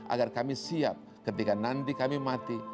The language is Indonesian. agar kami siap ketika nanti kami mati